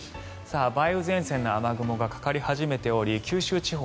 梅雨前線の雨雲がかかり始めており九州地方